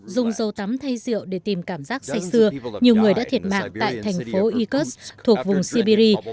dùng dầu tắm thay rượu để tìm cảm giác say sưa nhiều người đã thiệt mạng tại thành phố iqus thuộc vùng siberia